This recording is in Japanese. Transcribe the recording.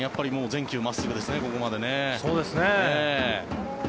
全球真っすぐですね、ここまで。